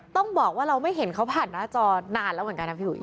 ต้องบอกว่าเราไม่เห็นเขาผ่านหน้าจอนานแล้วเหมือนกันนะพี่อุ๋ย